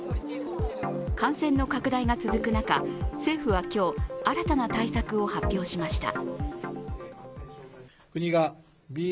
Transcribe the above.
感染の拡大が続く中、政府は今日、新たな対策を発表しました。